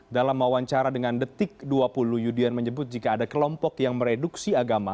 dalam wawancara dengan detik dua puluh yudian menyebut jika ada kelompok yang mereduksi agama